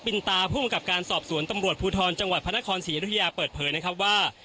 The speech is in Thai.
อินตาภูมิกับการสอบสวนตำรวจภูทรจังหวัดพระนครศรีอยุธยาเปิดเผยนะครับว่า